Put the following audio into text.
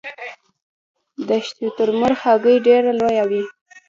د شترمرغ هګۍ ډیره لویه وي